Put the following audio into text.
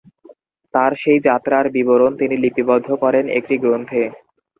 তাঁর সেই যাত্রার বিবরণ তিনি লিপিবদ্ধ করেন একটি গ্রন্থে।